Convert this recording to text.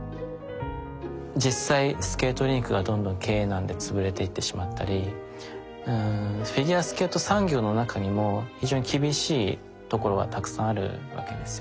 実際スケートリンクがどんどん経営難で潰れていってしまったりフィギュアスケート産業の中にも非常に厳しいところはたくさんあるわけですよ。